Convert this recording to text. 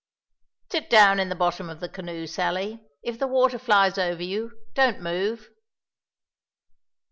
"Sit down in the bottom of the canoe, Sally; if the water flies over you, don't move."